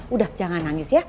udah jangan nangis ya